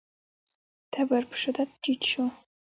تبر په شدت ټيټ شو.